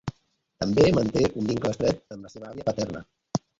També manté un vincle estret amb la seva àvia paterna.